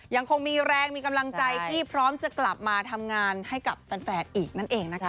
ยังคงมีแรงมีกำลังใจที่พร้อมจะกลับมาทำงานให้กับแฟนอีกนั่นเองนะคะ